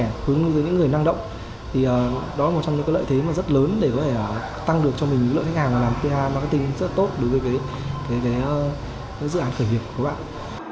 những người năng động thì đó là một trong những cái lợi thế rất lớn để có thể tăng được cho mình lợi khách hàng làm pr marketing rất tốt đối với cái dự án khởi nghiệp của các bạn